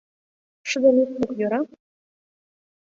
Шыдем ит лук, йӧра?